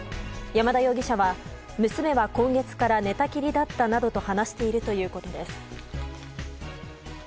山田容疑者は、娘は今月から寝たきりだったなどと話しているということです。